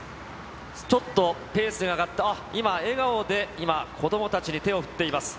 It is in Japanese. ちょっとペースが上がって、あっ、今、笑顔で今、子どもたちに手を振っています。